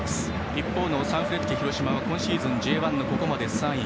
一方のサンフレッチェ広島今シーズンＪ１のここまで３位。